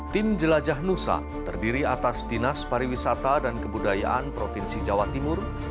tim jelajah nusa terdiri atas dinas pariwisata dan kebudayaan provinsi jawa timur